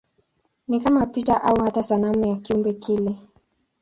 Ni kama picha au hata sanamu ya kiumbe kile.